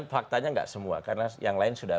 faktanya nggak semua karena yang lain sudah